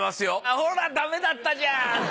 ほらダメだったじゃんって。